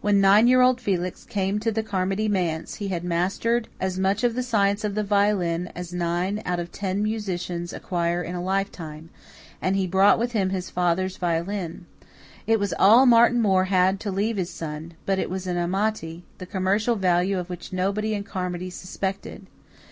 When nine year old Felix came to the Carmody manse, he had mastered as much of the science of the violin as nine out of ten musicians acquire in a lifetime; and he brought with him his father's violin; it was all Martin Moore had to leave his son but it was an Amati, the commercial value of which nobody in Carmody suspected.